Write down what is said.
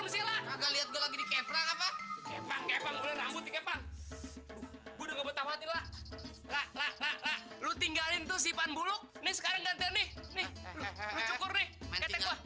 gue udah nggak mau tawatin lah lu tinggalin tuh sipan buruk nih sekarang gantian nih